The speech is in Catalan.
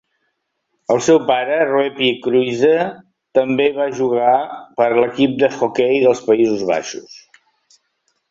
El seu pare, Roepie Kruize, també va jugar per a l'equip d'hoquei dels Països Baixos.